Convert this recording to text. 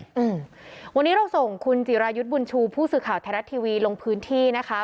อืมวันนี้เราส่งคุณจิรายุทธ์บุญชูผู้สื่อข่าวไทยรัฐทีวีลงพื้นที่นะคะ